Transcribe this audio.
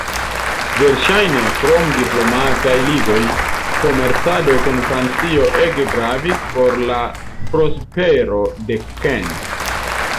Verŝajne, krom diplomataj ligoj, komercado kun Francio ege gravis por la prospero de Kent.